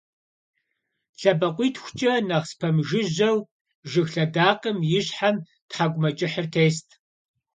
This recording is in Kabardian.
ЛъэбакъуитхукӀэ нэхъ спэмыжыжьэу, жыг лъэдакъэм и щхьэм тхьэкӀумэкӀыхьыр тест.